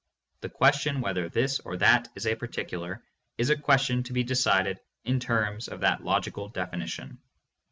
The question whether this or that is a particular, is a question to be decided in terms of that logical definition.